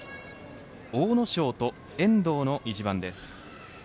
阿武咲と遠藤の一番です。